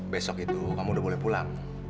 besok itu kamu udah boleh pulang